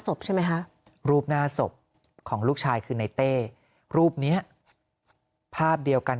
ศพใช่ไหมคะรูปหน้าศพของลูกชายคือในเต้รูปเนี้ยภาพเดียวกัน